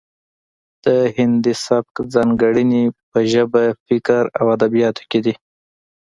د هندي سبک ځانګړنې په ژبه فکر او ادبیاتو کې دي